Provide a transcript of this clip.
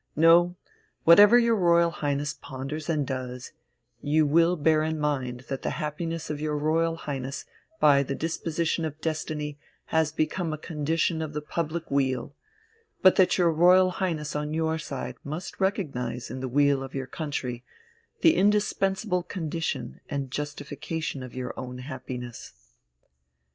No, whatever your Royal Highness ponders and does, you will bear in mind that the happiness of your Royal Highness by the disposition of destiny has become a condition of the public weal, but that your Royal Highness on your side must recognize in the weal of your country the indispensable condition and justification of your own happiness."